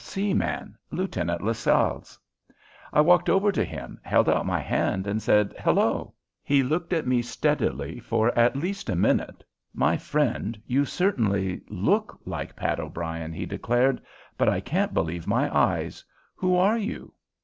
F. C. man Lieutenant Lascelles. I walked over to him, held out my hand, and said, "Hello!" He looked at me steadily for at least a minute. "My friend, you certainly look like Pat O'Brien," he declared, "but I can't believe my eyes. Who are you?"